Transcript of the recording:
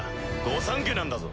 御三家なんだぞ。